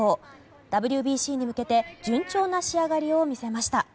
ＷＢＣに向けて順調な仕上がりを見せました。